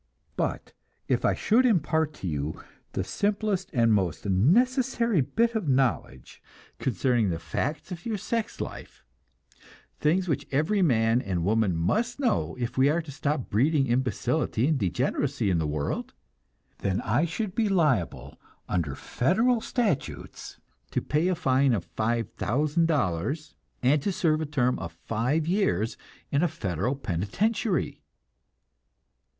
But if I should impart to you the simplest and most necessary bit of knowledge concerning the facts of your sex life things which every man and woman must know if we are to stop breeding imbecility and degeneracy in the world then I should be liable, under federal statutes, to pay a fine of $5,000, and to serve a term of five years in a federal penitentiary.